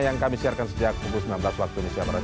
yang kami siarkan sejak pukul sembilan belas waktu indonesia barat